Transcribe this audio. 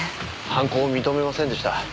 犯行を認めませんでした。